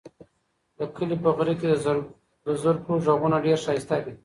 د کلي په غره کې د زرکو غږونه ډېر ښایسته دي.